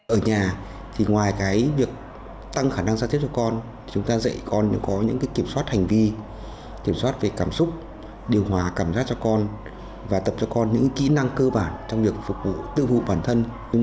ở nhà thì ngoài việc tăng khả năng giao tiếp cho con chúng ta dạy con có những kiểm soát hành vi kiểm soát về cảm xúc điều hòa cảm giác cho con và tập cho con những kỹ năng cơ bản trong việc phục vụ tiêu vụ bản thân